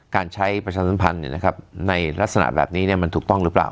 การใช้ประชาสัมพันธ์ในลักษณะแบบนี้มันถูกต้องหรือเปล่า